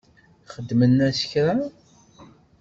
Xedmen-as kra?